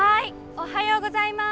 「おはようございます」。